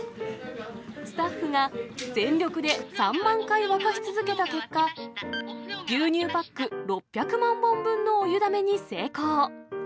スタッフが全力で３万回沸かし続けた結果、牛乳パック６００万本分のお湯だめに成功。